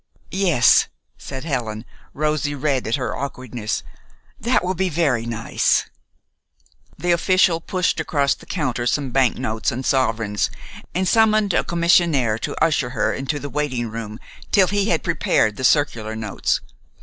"Yes," said Helen, rosy red at her own awkwardness, "that will be very nice." The official pushed across the counter some banknotes and sovereigns, and summoned a commissionaire to usher her into the waiting room till he had prepared the circular notes.